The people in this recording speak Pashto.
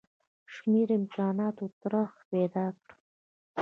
شمېر امکاناتو طرح پیدا کړه.